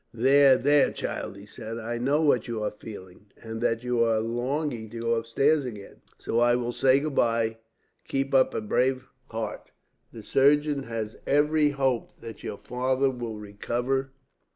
"'There, there, child,' he said. 'I know what you are feeling, and that you are longing to go upstairs again, so I will say goodbye. Keep up a brave heart. The surgeons have every hope that your father will recover.